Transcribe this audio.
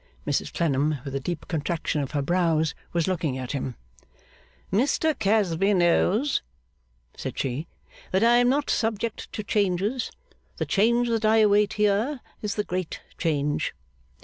Mrs Clennam, with a deep contraction of her brows, was looking at him. 'Mr Casby knows,' said she, 'that I am not subject to changes. The change that I await here is the great change.